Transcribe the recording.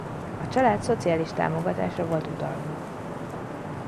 A család szociális támogatásra volt utalva.